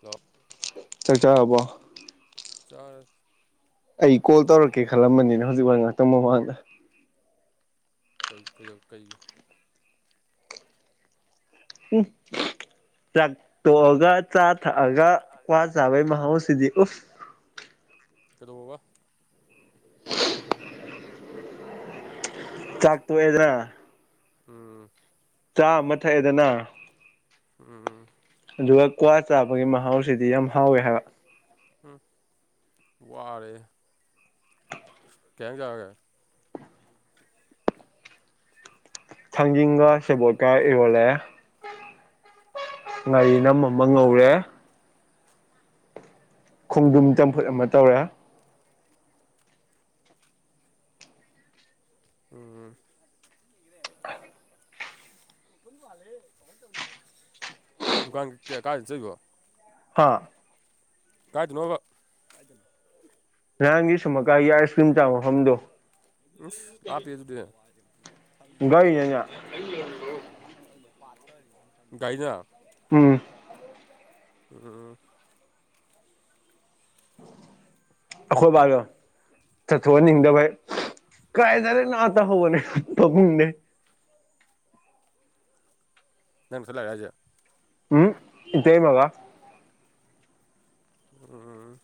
Hello ꯆꯥꯛ ꯆꯥꯔꯕꯣ ꯆꯥꯔꯦ ꯑꯩ ꯀꯣꯜ ꯇꯧꯔꯛꯀꯦ ꯈꯜꯂꯝꯕꯅꯤꯗ ꯍꯧꯖꯤꯛ ꯋꯥꯏ ꯉꯥꯛꯇꯪ ꯃꯃꯥꯡꯗ ꯀꯩ ꯀꯩꯗꯧ ꯀꯩꯒꯤ ꯆꯥꯛ ꯇꯣꯛꯑꯒ ꯆꯥ ꯊꯛꯑꯒ ꯀ꯭ꯋꯥ ꯆꯥꯕꯩ ꯃꯍꯥꯎꯁꯤꯗꯤ ꯎꯐ ꯀꯗꯧꯑꯣꯕ ꯆꯥꯛ ꯇꯣꯛꯑꯦꯗꯅ ꯎꯝ ꯆꯥ ꯑꯃꯥ ꯊꯛꯑꯦꯗꯅ ꯎꯝ ꯑꯗꯨꯒ ꯀ꯭ꯋꯥ ꯆꯥꯕꯒꯤ ꯃꯍꯥꯎꯁꯤꯗꯤ ꯌꯥꯝ ꯍꯥꯎꯋꯦ ꯍꯥꯏꯕ ꯎꯝ ꯋꯥꯔꯦ ꯀꯩ ꯍꯦꯟꯖꯡ ꯆꯔꯒꯦ ꯊꯥꯡꯖꯤꯡꯒ ꯁꯦꯕꯣꯠꯀ ꯏꯔꯣꯜꯂꯦ ꯉꯥꯔꯤ ꯅꯝ ꯑꯃ ꯉꯧꯔꯦ ꯈꯣꯡꯗꯔꯨ꯭ꯝ ꯆꯝꯐꯨꯠ ꯑꯃ ꯇꯧꯔꯦ ꯎꯝ [unintelligible] ꯗꯨꯀꯥꯟ ꯀꯦ ꯀꯥꯏ ꯆꯠꯂꯤꯕꯣ ꯍꯥꯥ ꯀꯥꯏꯗꯅꯣꯕꯥ ꯅꯍꯥꯟꯒꯤ ꯁꯨꯝꯃꯀꯥꯏꯒꯤ ꯑꯥꯏꯁ ꯀ꯭ꯔꯤꯝ ꯆꯥꯕ ꯃꯐꯝꯗꯣ ꯑꯁ ꯂꯞꯄꯦ ꯑꯗꯨꯗꯤ ꯒꯥꯔꯤꯅꯅꯦ [unintelligible] ꯒꯔꯤꯅꯥ ꯎꯝ ꯎꯝ ꯑꯈꯣꯏ ꯕꯥꯒꯤꯔꯣ ꯆꯠꯊꯣꯛꯍꯟꯅꯤꯡꯗꯕꯩ ꯀꯥꯏꯆꯠꯂꯤꯅꯣ ꯇꯧꯍꯧꯕꯅꯦ ꯐꯥꯃꯨꯡꯗꯩꯩ ꯅꯪꯁꯨ ꯂꯛꯏꯔꯣ ꯍꯥꯏꯖꯦ ꯎꯝ ꯏꯇꯩꯃꯒꯥ ꯎꯝ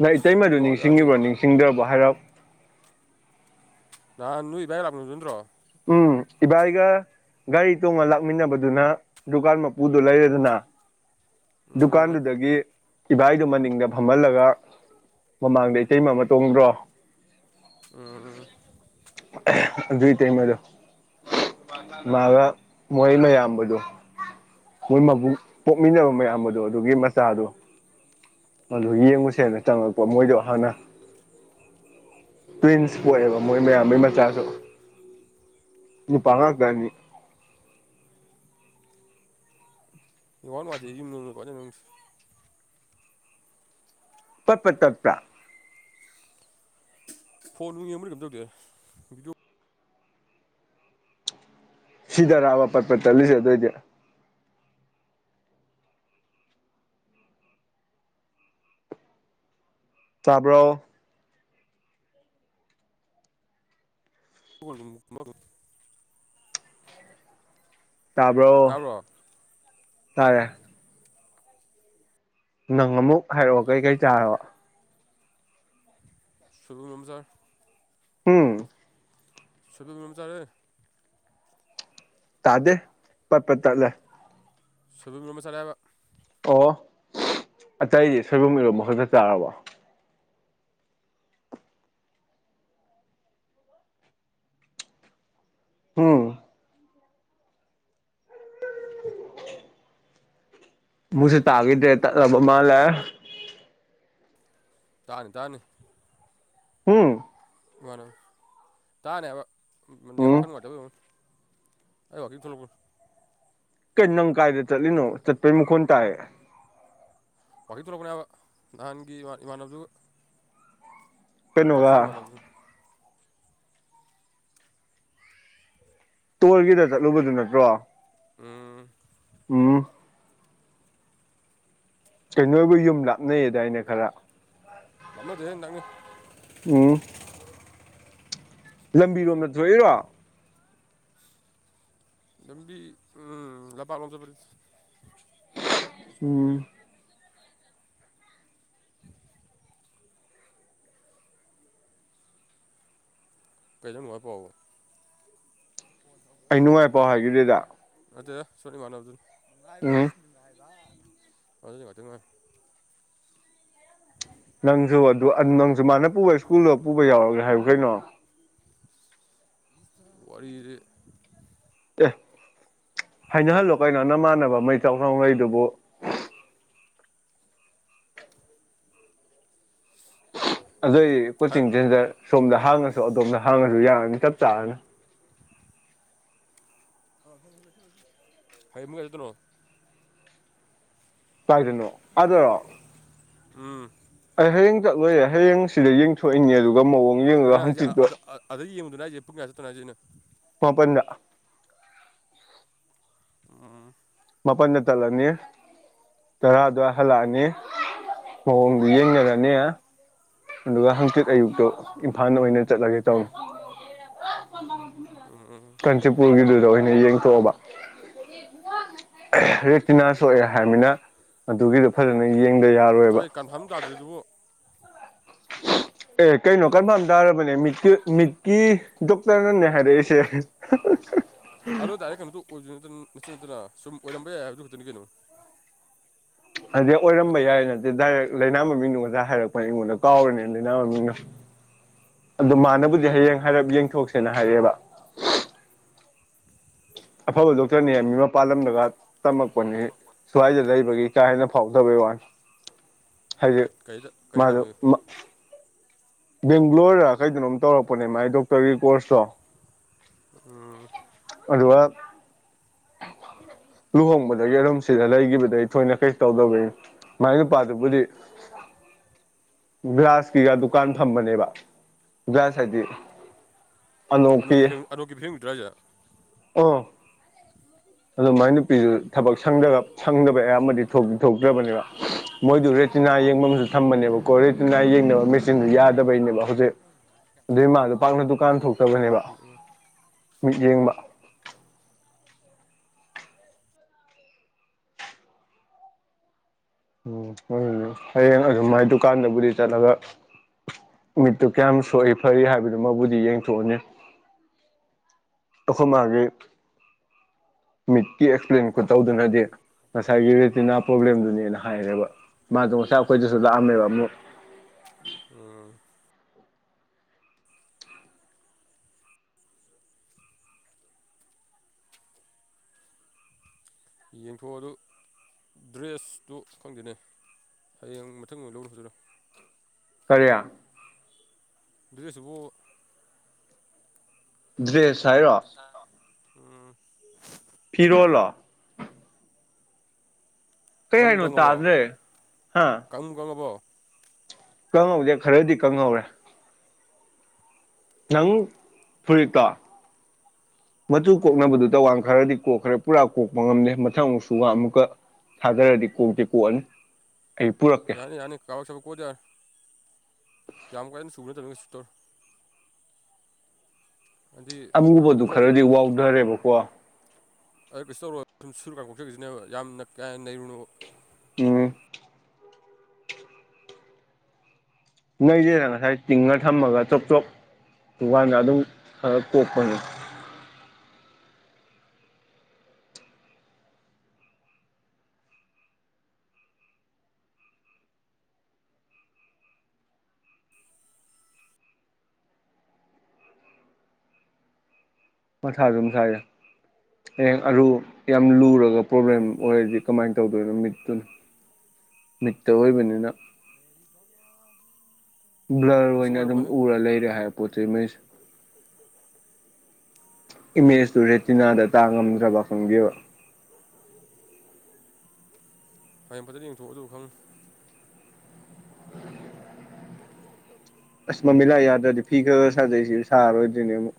ꯅꯪ ꯏꯇꯩꯃꯗꯨ ꯅꯦꯠꯋꯥꯛ ꯌꯥꯗꯦ ꯅꯤꯡꯁꯤꯡꯉꯤꯕ꯭ꯔꯣ ꯅꯤꯡꯁꯤꯡꯗ꯭ꯔꯥꯕꯣ ꯍꯥꯏꯔꯣꯛ ꯅꯍꯥꯟ ꯅꯣꯏ ꯏꯕꯥꯏ ꯂꯥꯛꯃꯤꯟꯅꯕꯥꯗꯣ ꯅꯠꯇ꯭ꯔꯣ ꯎꯝ ꯏꯕꯥꯏꯒ ꯒꯥꯔꯤ ꯇꯣꯡꯉ ꯂꯥꯛꯃꯤꯟꯅꯕꯗꯨꯅ ꯗꯨꯀꯥꯟ ꯃꯄꯨꯗꯣ ꯂꯩꯔꯦꯗꯅ ꯎꯝ ꯗꯨꯀꯥꯟꯗꯨꯗꯒꯤ ꯏꯕꯥꯏꯒ ꯃꯅꯤꯡꯗ ꯐꯝꯍꯜꯂꯒ ꯃꯃꯥꯡꯗ ꯏꯇꯩꯃ ꯑꯃ ꯇꯣꯡꯗ꯭ꯔꯣ ꯎꯝ ꯑꯗꯨꯏ ꯏꯇꯩꯃꯗꯣ ꯃꯥꯒ ꯃꯣꯏ ꯃꯌꯥꯝꯕꯗꯣ ꯃꯣꯏ ꯃꯕꯨꯡ ꯄꯣꯛꯃꯤꯟꯅꯕ ꯃꯌꯥꯝꯕꯗꯣ ꯑꯗꯨꯒꯤ ꯃꯆꯥꯗꯣ ꯑꯗꯨ ꯌꯦꯡꯉꯨꯁꯦꯅ ꯆꯪꯉꯛꯄ ꯃꯣꯏꯗꯣ ꯍꯥꯟꯅ ꯇ꯭ꯋꯤꯟꯁ ꯄꯣꯛꯑꯦꯕ ꯃꯣꯏ ꯃꯌꯥꯝꯕꯩ ꯃꯆꯥꯁꯨ ꯅꯨꯄꯥ ꯉꯥꯛꯇꯥ ꯑꯅꯤ ꯅꯦꯇꯋꯥꯔꯛ ꯅꯨꯡꯉꯥꯏꯇꯦ ꯌꯨꯝꯅꯤꯅ ꯀꯃꯥꯏ ꯇꯧꯔꯤꯅꯣ ꯈꯪꯗꯦ ꯄꯠ ꯄꯠ ꯇꯥꯠꯄ꯭ꯔꯥ ꯐꯣꯟ ꯅꯨꯡ ꯌꯦꯡ ꯃꯗꯤ ꯀꯦꯝ ꯇꯧꯗꯦ ꯕꯤꯗꯤꯑꯣ ꯁꯤꯗꯔꯥꯕ ꯄꯠꯄꯠ ꯆꯠꯂꯤꯁꯦ ꯑꯗꯨꯑꯣꯏꯗꯤ ꯇꯥꯕ꯭ꯔꯣ [inaudible] ꯇꯥꯕ꯭ꯔꯣ ꯇꯥꯔꯦ ꯅꯪ ꯑꯃꯨꯛ ꯍꯥꯏꯔꯛꯑꯣ ꯀꯩꯀꯩ ꯆꯥꯔꯕ [inaudible] ꯍꯝ ꯁꯣꯏꯕꯨꯝ ꯏꯔꯣꯝꯕ ꯆꯥꯔꯦ ꯇꯥꯗꯦ ꯄꯠ ꯄꯠ ꯇꯠꯂꯦ ꯁꯣꯏꯕꯨꯝ ꯏꯔꯣꯝꯕ ꯆꯥꯔꯦꯕ ꯑꯣ ꯑꯇꯩꯗꯤ ꯁꯣꯏꯕꯨꯝ ꯏꯔꯣꯝꯕ ꯈꯛꯇ ꯆꯥꯔꯕꯣ ꯎꯝ ꯃꯦ ꯇꯥꯒꯠ ꯃꯥꯂ [inaudible] ꯇꯥꯅꯤ ꯇꯥꯅꯤ ꯍꯝ ꯇꯥꯅꯦꯕ ꯅꯦꯠꯋꯥꯔꯛ ꯎꯝ ꯈꯔ ꯅꯨꯡꯉꯥꯏꯇꯕ ꯋꯥꯅꯦ ꯑꯩ ꯋꯥꯥꯛꯀꯤꯡ ꯊꯣꯛꯂꯛꯄ ꯀꯩ ꯅꯪ ꯀꯥꯏꯗ ꯆꯠꯂꯤꯅꯣ ꯆꯠꯄꯩ ꯃꯈꯣꯟ ꯇꯥꯏꯌꯦ ꯋꯥꯛꯀꯤꯡ ꯊꯣꯛꯂꯛꯄꯅꯦꯕ ꯅꯍꯥꯟꯒꯤ ꯏꯃꯥꯟꯅꯕꯗꯨꯒ ꯀꯩꯅꯣ ꯋꯥ ꯀꯛꯆꯤꯡ ꯏꯃꯥꯟꯅꯕꯗꯨ ꯇꯣꯜꯒꯤꯗ ꯆꯠꯂꯨꯕꯗꯨ ꯅꯠꯇ꯭ꯔꯣ ꯎꯝ ꯎꯝ ꯀꯩꯅꯣꯒꯤ ꯌꯨꯝ ꯂꯥꯞꯅꯩꯌꯦꯗꯥꯏꯅꯦ ꯈꯔ ꯂꯥꯞꯅꯗꯦꯍꯦ ꯅꯛꯅꯩ ꯎꯝ ꯂꯝꯕꯤꯔꯣꯝꯗ ꯊꯣꯛꯏꯔꯣ ꯂꯝꯕꯤ ꯑꯝ ꯂꯝꯄꯥꯛꯂꯣꯝ ꯆꯠꯄ ꯎꯝ ꯀꯩꯩꯅ ꯅꯨꯡꯉꯥꯏ ꯄꯥꯎ ꯑꯩ ꯅꯨꯡꯉꯥꯏ ꯄꯥꯎ ꯍꯥꯏꯈꯤꯗꯦꯗ ꯎꯝ [unintelligible] ꯅꯪꯁꯨ ꯑꯗꯨ ꯅꯪꯁꯨ ꯃꯥꯅ ꯄꯨꯕ ꯁ꯭ꯀꯨꯜꯗ ꯄꯨꯕ ꯌꯥꯎꯔꯒꯦ ꯍꯥꯏꯌꯨ ꯀꯩꯅꯣ ꯋꯥꯔꯤꯗꯤ ꯑꯦ ꯍꯥꯏꯅꯍꯜꯂꯣ ꯀꯩꯅꯣ ꯅꯃꯥꯟꯅꯕ ꯑꯃ ꯏꯆꯥꯎ ꯆꯥꯎꯅ ꯂꯩꯗꯨꯕꯨ ꯑꯗꯨꯏꯗꯤ ꯍ ꯀꯣꯆꯤꯡ ꯁꯦꯟꯇꯔ ꯁꯣꯝꯗ ꯍꯥꯡꯉꯁꯨ ꯑꯗꯣꯝꯗ ꯍꯥꯡꯉꯁꯨ ꯌꯥꯔꯅꯤ ꯆꯞ ꯆꯥꯔꯅꯤ ꯑ ꯍꯦ [inaudible] ꯍꯩꯃꯒ ꯆꯠꯇꯅꯣ [inaudible] ꯀꯥꯏꯗꯅꯣ ꯑꯗꯔꯣ ꯎꯝ ꯑꯩ ꯍꯌꯦꯡ ꯆꯠꯂꯣꯏꯦ ꯍꯌꯦꯡ ꯁꯤꯗ ꯌꯦꯡꯊꯣꯛꯏꯅꯦ ꯑꯗꯨꯒ ꯃꯑꯣꯡ ꯌꯦꯡꯉꯒ ꯑꯗꯨꯅ ꯍꯥꯏꯁꯦ ꯍꯪꯆꯤꯠꯇꯣ ꯑꯗꯩ ꯑꯗꯩ ꯌꯦꯡꯉꯕꯗꯨꯅꯦ ꯍꯥꯏꯁꯦ ꯄꯨꯡ ꯀꯌꯥ ꯆꯠꯇꯨꯏꯅꯣ ꯍꯥꯏꯁꯦ ꯑꯩꯅ ꯃꯥꯄꯟꯗ ꯎꯝ ꯃꯥꯄꯟꯗ ꯆꯠꯂꯅꯤ ꯇꯔꯥ ꯑꯗꯨꯋꯥꯏ ꯍꯜꯂꯛꯑꯅꯤ ꯃꯑꯣꯡꯗꯨ ꯌꯦꯡꯅꯔꯅꯤ ꯑꯗꯨꯒ ꯍꯪꯆꯤꯠ ꯑꯌꯨꯛꯇꯣ ꯏꯝꯐꯥꯜꯗ ꯑꯣꯏꯅ ꯆꯠꯂꯒꯦ ꯇꯧꯅꯤ ꯎꯝ ꯎꯝ ꯀꯥꯟꯆꯤꯄꯨꯔꯒꯤꯗꯨꯗ ꯑꯣꯏꯅ ꯌꯦꯡꯊꯣꯛꯑꯕ ꯑ ꯔꯦꯇꯤꯅꯥ ꯁꯣꯛꯑꯦ ꯍꯥꯏꯔꯕꯅꯤꯅ ꯑꯗꯨꯒꯤꯗꯣ ꯐꯖꯅ ꯌꯦꯡꯗ ꯌꯥꯔꯣꯏꯕ ꯑꯩ ꯀꯟꯐꯥꯔꯝ ꯇꯥꯗ꯭ꯔꯤꯗꯨꯕꯨ ꯑꯦ ꯀꯩꯅꯣ ꯀꯟꯐꯥꯔꯝ ꯇꯥꯔꯕꯅꯦ ꯃꯤꯠꯀꯤ ꯃꯤꯠꯀꯤ ꯗꯣꯛꯇꯔꯅꯅꯦ ꯍꯥꯏꯔꯛꯏꯁꯦ [inaudible] ꯑꯗꯣ ꯗꯥꯏꯔꯦꯛ ꯀꯩꯅꯣꯇꯨ ꯑꯣꯏꯁꯨ ꯅꯠ ꯅꯠꯁꯨ ꯅꯠꯇꯅ ꯁꯨꯝ ꯑꯣꯏꯔꯝꯕ ꯌꯥꯏ ꯍꯥꯏꯕꯗꯨ ꯈꯛꯇꯅꯤ ꯀꯩꯅꯣ ꯍꯥꯏꯗꯤ ꯑꯣꯏꯔꯝꯕ ꯌꯥꯏ ꯅꯠꯇꯦ ꯗꯥꯏꯔꯦꯛ ꯂꯩꯅꯥ ꯃꯃꯤꯡꯅꯣ ꯉꯁꯥꯏ ꯍꯥꯏꯔꯛꯄꯅ ꯑꯩꯉꯣꯟꯗ ꯀꯥꯎꯔꯅꯤꯅ ꯂꯩꯅꯥ ꯃꯃꯤꯡꯅꯣ ꯑꯗꯣ ꯃꯥꯅꯕꯨꯗꯤ ꯍꯌꯦꯡ ꯍꯥꯏꯔꯞ ꯌꯦꯡꯊꯣꯛꯁꯦꯅ ꯍꯥꯏꯔꯛꯑꯦꯕ ꯑꯐꯕ ꯗꯣꯛꯇꯔꯅꯤ ꯃꯤ ꯃꯄꯥꯥꯟꯂꯝꯗꯒ ꯇꯝꯃꯛꯄꯅꯤ ꯁ꯭ꯋꯥꯏꯗ ꯂꯩꯕꯒꯤ ꯀꯥ ꯍꯦꯟꯅ ꯐꯥꯎꯗꯕꯩ ꯋꯥꯅꯤ ꯍꯥꯏꯗꯤ ꯀꯩꯗ ꯀꯩꯗ ꯃꯥꯗꯨ ꯇꯝꯃꯛꯏ ꯃ ꯕꯦꯡꯒ꯭ꯂꯣꯔꯔꯥ ꯀꯩꯗꯅꯣꯝ ꯇꯧꯔꯛꯄꯅꯦ ꯃꯥꯒꯤ ꯗꯣꯛꯇꯔꯒꯤ ꯀꯣꯔꯁꯇꯣ ꯎꯝ꯫ ꯑꯗꯨꯒ [inaudible] ꯂꯨꯍꯣꯡꯕꯗꯒꯤ ꯑꯗꯨꯝ ꯁꯤꯗ ꯂꯩꯒꯤꯈꯤꯕꯗꯒꯤ ꯊꯣꯏꯅ ꯀꯩ ꯇꯧꯗꯕꯒꯤ꯫ ꯃꯥꯏ ꯅꯨꯄꯥꯗꯨꯕꯨꯗꯤ ꯒ꯭ꯔꯥꯁꯀꯤꯒ ꯗꯨꯀꯥꯟ ꯐꯝꯕꯅꯦꯕ ꯒ꯭ꯔꯥꯁ ꯍꯥꯏꯗꯤ ꯑꯅꯣꯛꯀꯤ ꯐ꯭ꯔꯦꯝ ꯑꯅꯣꯛꯀꯤ ꯐ꯭ꯔꯦꯝꯒꯤꯗꯨꯔꯣ ꯍꯥꯏꯁꯦ ꯑꫭ [inaudible] ꯑꯗꯨ ꯃꯥꯏ ꯅꯨꯄꯤꯁꯨ ꯊꯕꯛ ꯁꯪꯗꯕ ꯁꯪꯗꯕꯩ ꯑꯌꯥꯝꯕꯗꯤ ꯊꯣꯛꯇꯤ ꯊꯣꯛꯇ꯭ꯔꯕꯅꯦꯕ ꯃꯣꯏꯗꯨ ꯔꯦꯇꯤꯅꯥ ꯌꯦꯡꯅꯕꯝꯁꯨ ꯊꯝꯕꯅꯦꯕꯀꯣ ꯔꯦꯇꯤꯅꯥ ꯌꯦꯡꯅꯕ ꯃꯦꯆꯤꯟꯗꯨ ꯌꯥꯗꯕꯩꯅꯦꯕ ꯍꯧꯖꯤꯛ ꯑꯗꯨꯏ ꯃꯥꯗꯣ ꯄꯥꯛꯅ ꯗꯨꯀꯥꯟ ꯊꯣꯛꯇꯕꯅꯦꯕ ꯎꯝ ꯃꯤꯠꯌꯦꯡꯕ ꯎꯝ ꯍꯣꯏ [unintelligible] ꯍꯌꯦꯡ ꯑꯗꯨꯃꯥꯏ ꯗꯨꯀꯥꯟꯗꯕꯨꯗꯤ ꯆꯠꯂꯒ ꯃꯤꯠꯇꯨ ꯀꯌꯥꯝ ꯁꯣꯛꯏ ꯐꯔꯤ ꯍꯥꯏꯕꯗꯨ ꯃꯕꯨꯗꯤ ꯌꯦꯡꯊꯣꯛꯑꯅꯤ ꯑꯩꯈꯣꯏ ꯃꯥꯒꯤ ꯃꯤꯠꯀꯤ ꯑꯦꯛꯁꯄ꯭ꯂꯦꯟ ꯈꯨꯇꯧꯗꯨꯅꯗꯤ꯫ ꯉꯁꯥꯏꯒꯤ ꯔꯦꯇꯤꯅꯥ ꯄ꯭ꯔꯣꯕ꯭ꯂꯦꯝꯗꯨꯅꯦꯅ ꯍꯥꯏꯔꯦꯕ ꯃꯥꯗꯣ ꯉꯁꯥꯏ ꯑꯩꯈꯣꯏꯗꯁꯨ ꯂꯥꯛꯑꯝꯃꯦꯕ ꯑꯃꯨꯛ ꯎꯝ꯫ ꯌꯦꯡꯊꯣꯛꯑꫭ ꯑꯗꯨ ꯗ꯭ꯔꯦꯁꯇꯨ ꯈꯪꯗꯦꯅꯦ ꯍꯌꯦꯡ ꯃꯊꯪ ꯑꯣꯏꯅ ꯂꯧꯕꯅ ꯐꯗꯣꯏꯔꯥ ꯀꯔꯤ ꯗ꯭ꯔꯦꯁꯇꯨꯕꯨ ꯗ꯭ꯔꯦꯁ ꯍꯥꯏꯔꯣ [unintelligible] ꯎꯝ꯫ ꯐꯤꯔꯣꯜꯂꯣ ꯀꯩ ꯀꯪꯕꯨ ꯍꯥꯏꯅꯣ ꯀꯪꯉꯕꯣ ꯇꯥꯗ꯭ꯔꯦ ꯍꯥ ꯀꯪꯕꯨ ꯀꯪꯉꯕꯣ ꯀꯪꯍꯧꯗꯦ ꯈꯔꯗꯤ ꯀꯪꯍꯧꯔꯦ ꯅꯪ ꯐꯨꯔꯤꯠꯇꯣ ꯃꯆꯨ ꯀꯣꯛꯅꯕꯗꯨꯇ ꯋꯥꯟ ꯈꯔꯗꯤ ꯀꯣꯛꯈ꯭ꯔꯦ ꯄꯨꯔꯥ ꯀꯣꯛꯄ ꯉꯝꯗꯦ ꯃꯊꯪ ꯑꯃꯨꯛꯁꯨꯒ ꯑꯃꯨꯛꯀ ꯊꯥꯗꯔꯗꯤ ꯀꯣꯛꯇꯤ ꯀꯣꯛꯑꯅꯤ ꯑꯩ ꯄꯨꯔꯛꯀꯦ ꯌꯥꯅꯤ ꯌꯥꯅꯤ ꯀꯥꯕꯛ ꯁꯥꯕꯛ ꯀꯣꯛꯑꯗꯤ ꯌꯥꯔꯦ ꯌꯥꯝ ꯀꯥꯏꯅ ꯆꯨꯕ ꯅꯠꯇꯝꯃꯤꯅ ꯀꯩꯁꯨ ꯇꯧꯔꯣꯏ꯫ ꯑꯗꯤ ꯑꯃꯨꯕꯗꯨ ꯗ꯭ꯔꯣꯞ ꯈꯔꯗꯤ ꯋꯥꯎꯊ꯭ꯔꯦꯕꯀꯣ꯫ ꯑꯗꯨ ꯀꯩꯁꯨꯨꯨ ꯇꯧꯔꯣꯏꯕ ꯁꯨꯝ ꯁꯨꯔ ꯀꯥꯟ ꯀꯣꯛꯆꯈꯤꯁꯤꯅꯦꯕ ꯌꯥꯝꯅ ꯀꯥꯍꯦꯟꯅ ꯅꯩꯔꯨꯅꯣꯕ ꯎꯝ ꯅꯩꯗꯦꯗ ꯉꯁꯥꯏ ꯇꯤꯡꯉ ꯊꯝꯃꯒ ꯆꯣꯞ ꯆꯣꯞ ꯁꯨꯀꯥꯟꯗ ꯑꯗꯨꯝ ꯈꯔ ꯄꯣꯛꯄꯅꯤ ꯃꯊꯥꯗꯨꯝ ꯁꯥꯏꯗ ꯍꯌꯦꯡ ꯑꯔꯨ ꯌꯥꯝ ꯂꯨꯔꯒ ꯄ꯭ꯔꯣꯕ꯭ꯂꯦꯝ ꯑꯣꯏꯔꯗꯤ ꯀꯃꯥꯏꯅ ꯇꯧꯗꯣꯏꯅꯣ ꯃꯤꯠꯇꯨꯅ ꯃꯤꯠꯇ ꯑꯣꯏꯕꯅꯤꯅ [unintelligible] ꯕ꯭ꯂꯔ ꯀꯩꯁꯨ ꯑꯣꯏꯅ ꯑꯗꯨꯝ ꯑꯣꯏꯔꯝꯃꯣꯏꯍꯦ ꯎꯔ ꯂꯩꯔꯦ ꯍꯥꯏꯕ ꯄꯣꯠ ꯆꯩꯩ ꯃꯩꯁꯨ ꯏꯃꯦꯖꯇꯨ ꯔꯦꯇꯤꯅꯥꯗ ꯇꯥꯉꯝꯗ꯭ꯔꯕ ꯈꯪꯗꯦꯕ ꯍꯌꯦꯡ ꯐꯖꯅ ꯌꯦꯡꯊꯣꯛꯑ ꯑꯗꯨꯕꯨ ꯈꯪ ꯑꯁ ꯃꯃꯤꯠ ꯂꯥ ꯌꯥꯗ꯭ꯔꯗꯤ ꯐꯤ ꯈꯔ ꯁꯥꯖꯩꯁꯤ ꯁꯥꯔꯣꯏꯗꯣꯏꯅꯦ ꯑꯃꯨꯛ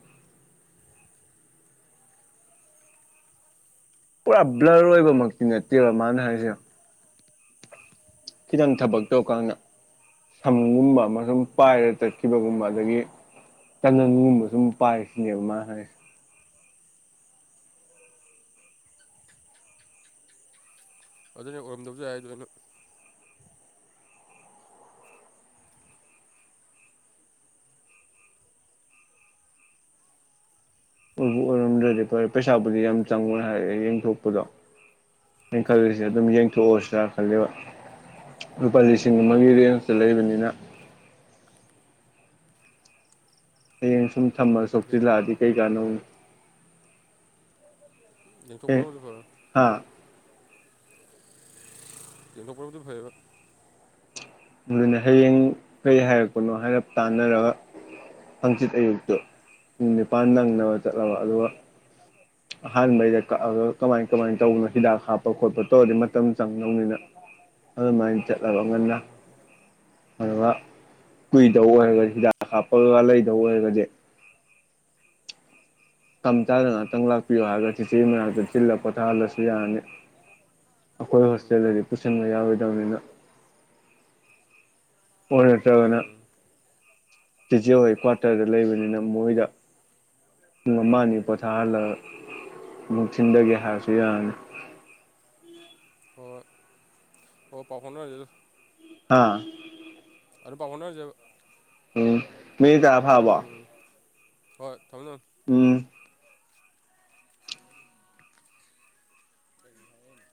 ꯄꯨꯔꯥ ꯕ꯭ꯂꯔ ꯑꯣꯏꯕꯃꯛꯇꯤ ꯅꯠꯇꯦꯕ ꯃꯥꯅ ꯍꯥꯏꯔꯤꯁꯦ ꯈꯤꯇꯪ ꯊꯕꯛ ꯇꯧꯀꯥꯟꯅ ꯁꯝꯒꯨꯝꯕ ꯑꯃ ꯁꯨꯝ ꯄꯥꯏꯔ ꯆꯠꯈꯤꯕꯒꯨꯝꯕ ꯑꯗꯒꯤ ꯇꯅꯟꯒꯨꯝꯕ ꯁꯨꯝ ꯄꯥꯏꯔꯤꯁꯤꯅꯦꯕ ꯃꯥ ꯍꯥꯏꯁꯦ ꯑꯗꯨꯅ ꯑꯣꯏꯔꯝꯗꯕꯁꯨ ꯌꯥꯏ ꯑꯗꯨꯗ ꯑꯗꯨꯕꯨ ꯑꯣꯏꯔꯝꯗ꯭ꯔꯗꯤ ꯐꯔꯦ ꯄꯩꯁꯥꯕꯨꯗꯤ ꯌꯥꯝ ꯆꯪꯉꯨ ꯍꯥꯏꯔꯦ ꯌꯦꯡꯊꯣꯛꯄꯗꯣ ꯑꯩꯅ ꯈꯜꯂꯤꯁꯦ ꯑꯗꯨꯝ ꯌꯦꯡꯊꯣꯛꯎꯁꯤꯔꯥ ꯈꯜꯂꯦꯕ ꯂꯨꯄꯥ ꯂꯤꯁꯤꯡ ꯑꯃꯒꯤ ꯎꯝ ꯔꯦꯟꯖꯇ ꯂꯩꯕꯅꯤꯅ ꯍꯌꯦꯡ ꯁꯨꯝ ꯊꯝꯃꯒ ꯌꯦꯡ ꯁꯣꯛꯆꯤꯜꯂꯛꯑꯗꯤ ꯀꯩ ꯀꯥꯅꯣ ꯌꯦꯡꯊꯣꯛꯄꯅꯕꯨꯗꯤ ꯐꯕꯅꯦ ꯍꯥꯥ ꯌꯦꯡꯊꯣꯛꯄꯅꯕꯨꯗꯤ ꯐꯩꯌꯦꯕ ꯑꯗꯨꯅꯦ ꯍꯌꯦꯡ ꯀꯔꯤ ꯍꯥꯏꯔꯛꯄꯅꯣ ꯍꯥꯏꯔꯞ ꯇꯥꯟꯅꯔꯒ ꯍꯪꯆꯤꯠ ꯑꯌꯨꯛꯇꯨ ꯄꯨꯡ ꯅꯤꯄꯥꯟ ꯅꯪꯅꯕ ꯆꯠꯂꯕ ꯑꯗꯨꯒ ꯑꯍꯥꯟꯕꯩꯗ ꯀꯛꯑꯒ ꯀꯃꯥꯏ ꯀꯃꯥꯏꯅ ꯇꯧꯕꯅꯣ ꯍꯤꯗꯥꯛ ꯍꯥꯞꯄ ꯈꯣꯠꯄ ꯇꯧꯔꯗꯤ ꯃꯇꯝ ꯆꯪꯗꯧꯅꯤꯅ ꯑꯗꯨꯃꯥꯏꯅ ꯆꯠꯂꯕ ꯉꯟꯅ ꯎꯝ ꯑꯗꯨꯒ ꯀꯨꯏꯗꯧ ꯑꯣꯏꯔꯒ ꯍꯤꯗꯥꯛ ꯍꯥꯥꯞꯄꯒꯒ ꯂꯩꯗꯧ ꯑꯣꯏꯔꯒꯗꯤ ꯃꯇꯝ ꯆꯥꯗꯅ ꯉꯥꯛꯇꯪ ꯂꯥꯛꯄꯤꯌꯣ ꯍꯥꯏꯔꯒ ꯆꯤꯆꯦ ꯃꯅꯥꯛꯇ ꯊꯤꯜꯂꯒ ꯄꯣꯊꯥꯍꯜꯂꯁꯨ ꯌꯥꯔꯅꯤ ꯑꯩꯈꯣꯏ ꯎꯝ ꯎꯝ ꯍꯣꯁꯇꯦꯜꯗꯗꯤ ꯄꯨꯁꯤꯟꯕ ꯌꯥꯔꯣꯏꯗꯕꯅꯤꯅ ꯑꯣꯔ ꯅꯠꯇ꯭ꯔꯒꯅ ꯎꯝ ꯆꯤꯆꯦ ꯍꯣꯏ ꯀ꯭ꯋꯥꯇꯔꯗ ꯂꯩꯕꯅꯤꯅ ꯃꯣꯏꯗ ꯄꯨꯡ ꯑꯃꯅꯤ ꯄꯣꯊꯥꯍꯜꯂꯒ ꯑꯃꯨꯛ ꯊꯤꯟꯗꯒꯦ ꯍꯥꯏꯔꯁꯨ ꯌꯥꯔꯅꯤ ꯑꯣ ꯄꯥꯎ ꯐꯥꯎꯅꯔꯁꯦ ꯑꯗꯨ ꯍꯥꯥ ꯑꯗꯨ ꯄꯥꯎ ꯐꯥꯎꯅꯔꯥꯁꯦꯕ ꯎꯝ ꯃꯦꯗꯥꯝ ꯎꯝ ꯍꯣꯏ ꯊꯝꯃ ꯃꯦ ꯊꯝ ꯎꯝ [unintelligible]